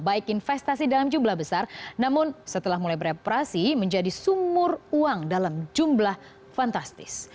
baik investasi dalam jumlah besar namun setelah mulai beroperasi menjadi sumur uang dalam jumlah fantastis